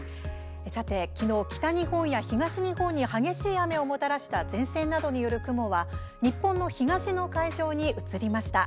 昨日、北日本や東日本に激しい雨をもたらした前線などによる雲は日本の東の海上に移りました。